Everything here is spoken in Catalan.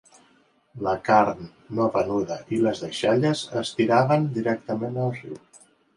La carn no venuda i les deixalles es tiraven directament al riu.